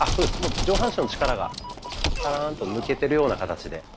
上半身の力がたらんと抜けてるような形で。